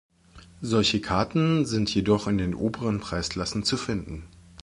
Solche Karten sind jedoch in den oberen Preisklassen zu finden.